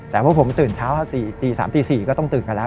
แต่พอผมตื่นเช้าเช้าสี่ตีสามตีสี่ก็ต้องตื่นกันแล้ว